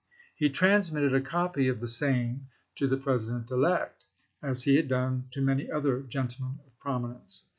He trans mitted a copy of the same to the President elect, as he had done to many other gentlemen of prominence.